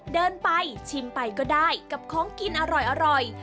เดินไปชิมไปก็ได้กับของกินอร่อย